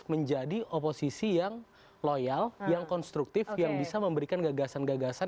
menjadi oposisi yang loyal yang konstruktif yang bisa memberikan gagasan gagasan